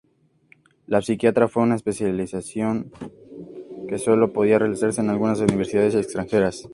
La psiquiatría fue una especialización que sólo podía realizarse en algunas universidades extranjeras.